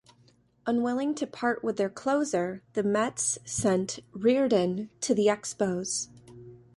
Unwilling to part with their closer, the Mets sent Reardon to the Expos.